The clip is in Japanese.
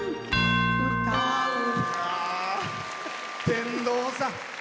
天童さん